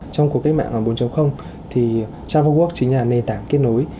trong cuộc cách mạng bốn thì trans bốn work chính là nền tảng kết nối